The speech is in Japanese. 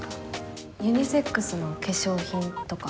ユニセックスの化粧品とか？